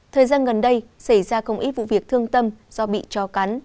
thời gian gần đây xảy ra không ít vụ việc thương tâm do bị cho cắn